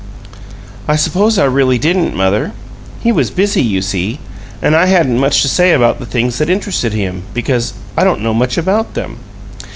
"I suppose I really didn't, mother. He was busy, you see, and I hadn't much to say about the things that interested him, because I don't know much about them."